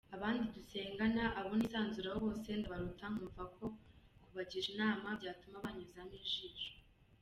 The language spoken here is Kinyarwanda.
Abandi dusengana abo nisanzuraho bose ndabaruta nkumva ko kubagisha inama byatuma banyuzamo ijisho.